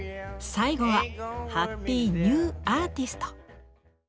最後はハッピーニューアーティスト。